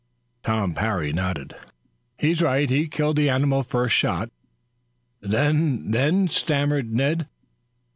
Tom Parry nodded. "He's right. He killed the animal the first shot " "Then then " stammered Ned.